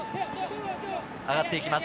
上がっていきます。